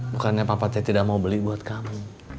bukannya papatnya tidak mau beli buat kamu